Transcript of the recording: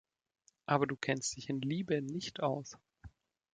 Aber du kennst dich in Liebe nicht aus.